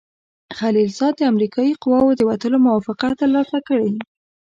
خلیلزاد د امریکایي قواوو د وتلو موافقه ترلاسه کړې.